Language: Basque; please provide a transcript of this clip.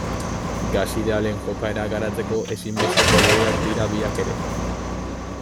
Gas idealen jokaera garatzeko ezinbesteko legeak dira biak ere.